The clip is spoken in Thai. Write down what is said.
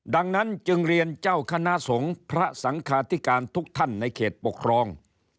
ดังนั้นจึงเรียนเจ้าคณะสงฆ์พระสังคาธิการทุกท่านในเขตปกครอง